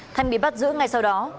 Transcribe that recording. thanh bị bắt giữ ngay sau đó